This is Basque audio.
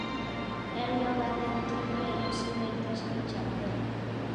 Euro baten truke erosi daitezke txartelak.